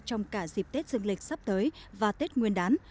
trong cả dịp tết dương lịch sắp tới và tết nguyên đán